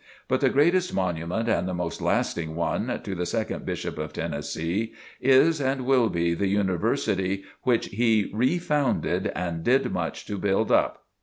But the greatest monument and the most lasting one, to the second Bishop of Tennessee, is and will be the University which he re founded and did much to build up.